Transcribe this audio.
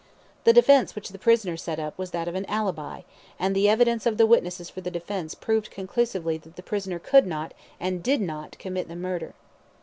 The defence which the prisoner set up was that of an ALIBI, and the evidence of the witnesses for the defence proved conclusively that the prisoner could not, and did not, commit the murder.